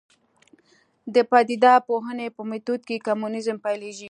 د پدیده پوهنې په میتود کې کمونیزم پیلېږي.